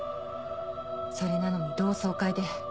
それなのに同窓会で。